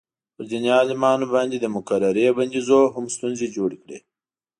پر دیني عالمانو باندې د مقررې بندیزونو هم ستونزې جوړې کړې.